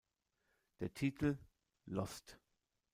Der Titel "Lost!